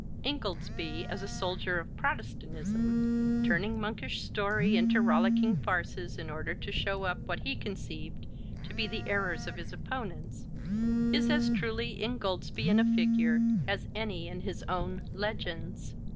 Ingoldsby as a soldier of Protestantism, turning monkish stories into rollicking farces in order to show up what he conceived to be the errors of his opponents, is as truly Ingoldsbian a figure as any in his own 'Legends.'